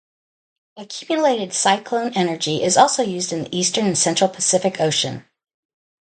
Accumulated Cyclone Energy is also used in the eastern and central Pacific Ocean.